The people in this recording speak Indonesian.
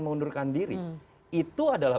mengundurkan diri itu adalah